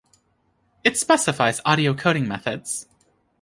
It specifies audio coding methods.